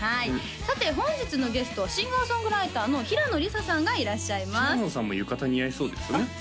さて本日のゲストはシンガー・ソングライターの平野里沙さんがいらっしゃいます平野さんも浴衣似合いそうですねあっ